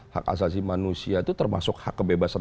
hak asasi manusia itu termasuk hak kebebasan